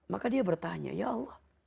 maka dia bertanya ya allah